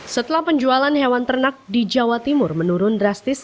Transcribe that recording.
setelah penjualan hewan ternak di jawa timur menurun drastis